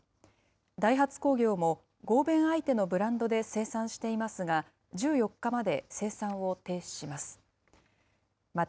ダイハツ工業も合弁相手のブランドで生産していますが、１４日まで生産を停止します。